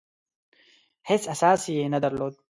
هېڅ اساس یې نه درلود.